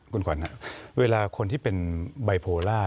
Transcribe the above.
คุณขวัญครับเวลาคนที่เป็นบายโพลา